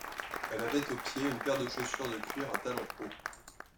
Elle avait aux pieds une paire de chaussures de cuir à talons hauts.